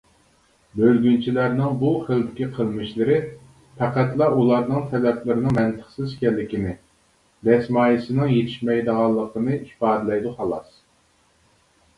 بۆلگۈنچىلەرنىڭ بۇ خىلدىكى قىلمىشلىرى پەقەتلا ئۇلارنىڭ تەلەپلىرىنىڭ مەنتىقسىز ئىكەنلىكىنى، دەسمايىسىنىڭ يېتىشمەيدىغانلىقىنى ئىپادىلەيدۇ خالاس.